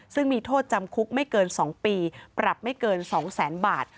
ซึ่งมีโทษจำคุกไม่เกิน๒ปีปรับไม่เกิน๒แสนบาท